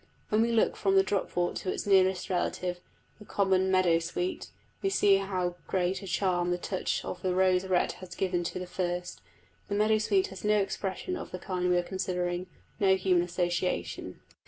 When we look from the dropwort to its nearest relative, the common meadow sweet, we see how great a charm the touch of rose red has given to the first: the meadow sweet has no expression of the kind we are considering no human association.